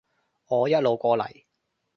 我一路過嚟